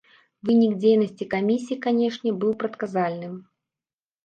Вынік дзейнасці камісіі, канешне, быў прадказальным.